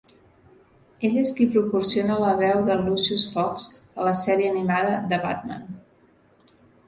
Ell és qui proporciona la veu de Lucius Fox a la sèrie animada "The Batman".